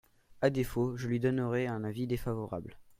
À défaut, je lui donnerai un avis défavorable.